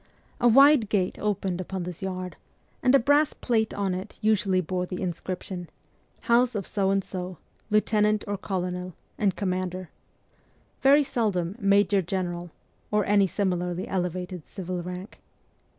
A wide gate opened upon this yard, and a brass plate on it usually bore the inscription, ' House of So and So, Lieutenant or Colonel, and Commander ' very seldom ' Major General ' or any similarly ele vated civil rank.